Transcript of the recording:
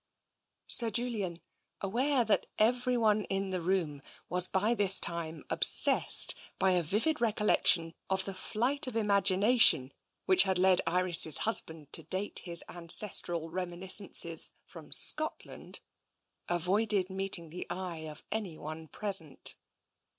Sir Julian, aware that everyone in the room was by this time obsessed by a vivid recollection of the flight of imagination which had led Iris' husband to date his ancestral reminiscences from Scotland, avoided meet ing the eye of anyone present.